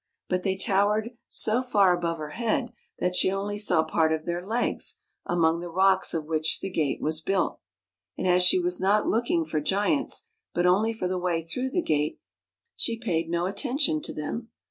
But they towered so far above her head that she only 132 THE CASTLE UNDER THE SEA saw part of their legs among the rocks of which the gate was built; and as she was not looking for giants, but only for the way through the gate, she paid no attention to them.